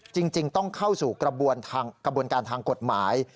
จริงต้องเข้าสู่กระบวนการทางกฎหมาย